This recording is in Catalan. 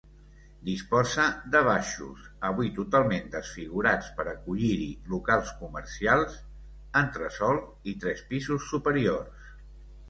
Disposa de baixos -avui totalment desfigurats per acollir-hi locals comercials-, entresòl i tres pisos superiors.